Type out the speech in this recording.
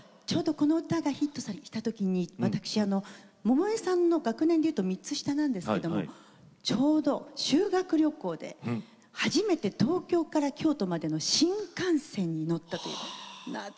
この歌がヒットしたときに私は百恵さんの学年で言うと３つ下なんですが、ちょうど修学旅行で初めて東京から京都までの新幹線に乗ったことがあります。